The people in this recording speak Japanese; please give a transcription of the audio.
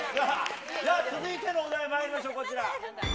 続いてのお題まいりましょう、こちら。